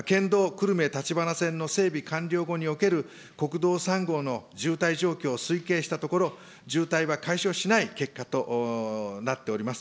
久留米立花線の整備完了後における国道３号の渋滞状況を推計したところ、渋滞は解消しない結果となっております。